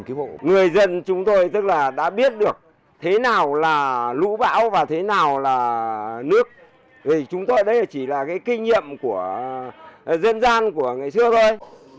thì chúng tôi đấy chỉ là cái kinh nghiệm của dân gian của ngày xưa thôi